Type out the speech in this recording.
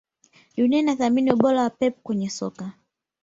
Dunia inathamini ubora wa Pep kwenye soka